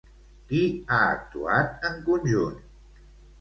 Qui ha actuat en conjunt?